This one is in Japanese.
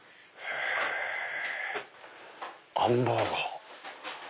へぇあんバーガー。